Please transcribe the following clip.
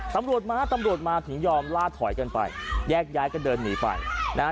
ตำรวจมาตำรวจมาถึงยอมล่าถอยกันไปแยกย้ายกันเดินหนีไปนะฮะ